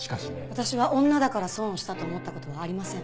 私は女だから損をしたと思った事はありません。